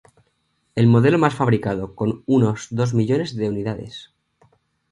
El modelo más fabricado, con unos dos millones de unidades.